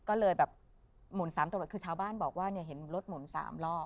ก็เลยแบบหมุน๓ตำรวจคือชาวบ้านบอกว่าเนี่ยเห็นรถหมุน๓รอบ